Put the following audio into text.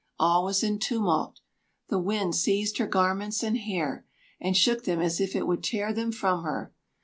All was in tumult. The wind seized her garments and hair, and shook them as if it would tear them from her.